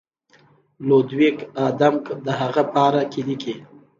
لودویک آدمک د هغه پاره کې لیکي.